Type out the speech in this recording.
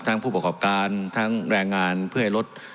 ผู้ประกอบการทั้งแรงงานเพื่อให้ลด